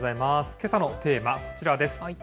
けさのテーマ、こちらです。